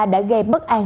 đã gây bất an